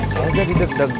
saya jadi deg degan